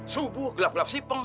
subuh gelap gelap sipeng